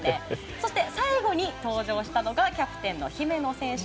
そして、最後に登場したのがキャプテンの姫野選手。